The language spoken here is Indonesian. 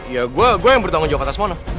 ya gue yang bertanggung jawab atas mono